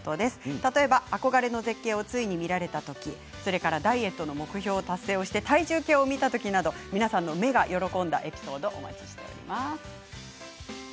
例えば憧れの絶景をついに見られた時ダイエットの目標達成をして体重計を見た時など皆さんの目が喜んだエピソード